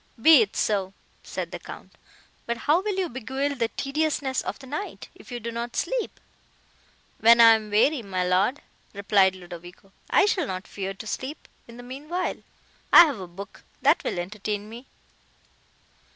"Be it so," said the Count; "but how will you beguile the tediousness of the night, if you do not sleep?" "When I am weary, my Lord," replied Ludovico, "I shall not fear to sleep; in the meanwhile, I have a book that will entertain me."